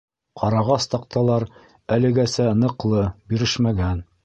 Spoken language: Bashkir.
Ҡарағас таҡталар әлегәсә ныҡлы, бирешмәгән.